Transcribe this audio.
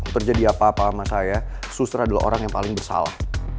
terjadi apa apa sama saya susra adalah orang yang paling bersalah